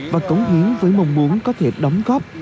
và cống hiến với mong muốn có thể đóng góp